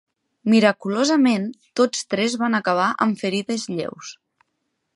Miraculosament, tots tres van acabar amb ferides lleus.